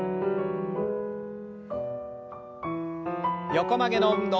横曲げの運動。